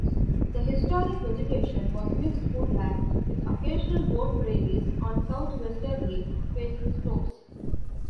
The historic vegetation was mixed woodland, with occasional goat prairies on southwesterly facing slopes.